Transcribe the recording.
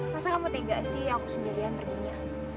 rasa kamu tega sih aku sendirian perginya